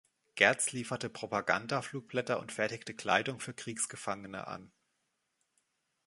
Gertz lieferte Propaganda-Flugblätter und fertigte Kleidung für Kriegsgefangene an.